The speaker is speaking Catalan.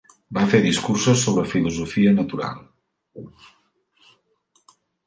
Va fer discursos sobre filosofia natural.